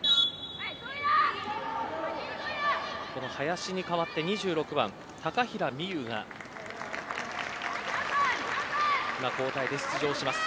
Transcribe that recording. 林に代わって２６番高平美憂が今、交代で出場します。